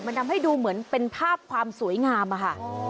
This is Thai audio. มันทำให้ดูเหมือนเป็นภาพความสวยงามอะค่ะ